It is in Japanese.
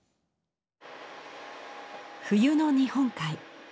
冬の日本海。